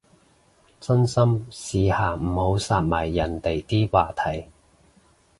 真心，試下唔好殺埋人哋啲話題